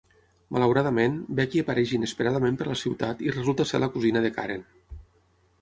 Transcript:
Malauradament, Becky apareix inesperadament per la ciutat i resulta ser la cosina de Karen.